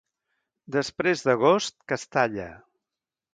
Després d'agost, Castalla.